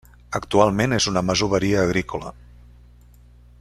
Actualment és una masoveria agrícola.